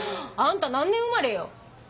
あんた何年生まれよ？